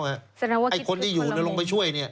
สำหรับว่าคิดคิดคนละมุมไอ้คนที่อยู่ในโรงพยาบาลช่วยนี่